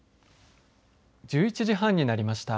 １１時半になりました。